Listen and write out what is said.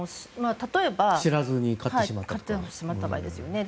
例えば、知らずに買ってしまった場合ですよね。